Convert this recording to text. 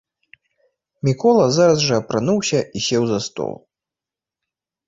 Мікола зараз жа апрануўся і сеў за стол.